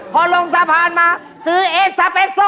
พอลงสะพานมาซื้อเอสซาเฟซโซ